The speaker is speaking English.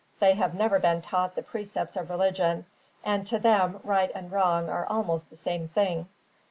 They have never been taught the precepts of religion; and to them right and wrong are almost the same thing.